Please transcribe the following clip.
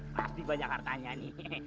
pasti banyak hartanya nih